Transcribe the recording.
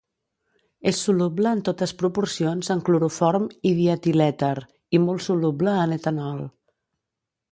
És soluble en totes proporcions en cloroform i dietilèter i molt soluble en etanol.